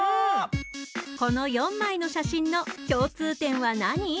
この４枚の写真の共通点は何？